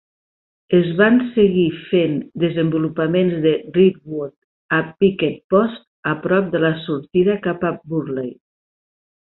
Es van seguir fent desenvolupaments de Ringwood a Picket Post, a prop de la sortida cap a Burley.